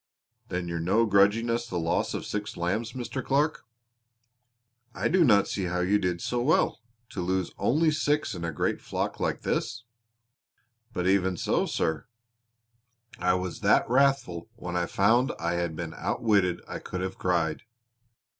"Then you're no grudging us the loss of six lambs, Mr. Clark." "I do not see how you did so well to lose only six in a great flock like this!" "But even so, sir, I was that wrathful when I found I had been outwitted I could have cried.